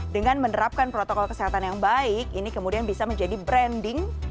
dengan menerapkan protokol kesehatan yang baik ini kemudian bisa menjadi branding